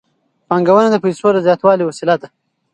پانګونه د پیسو د زیاتولو وسیله ده.